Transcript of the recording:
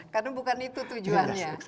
karena bukan itu tujuannya